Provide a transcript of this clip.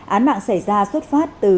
án mạng xảy ra xuất phát từ